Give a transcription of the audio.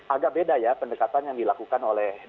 agak beda ya pendekatan yang dilakukan oleh